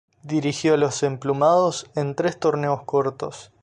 Dirigió a los emplumados en tres torneos cortos.